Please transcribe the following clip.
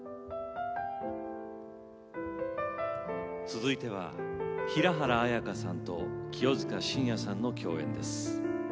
続いては平原綾香さんと清塚信也さんの共演です。